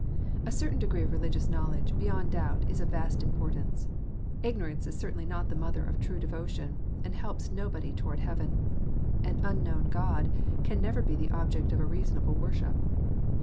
A certain degree of religious knowledge, beyond doubt, is of vast importance. Ignorance is certainly not the mother of true devotion, and helps nobody toward heaven. An ^^ unknown God " can never be the object of a reasona ble worship.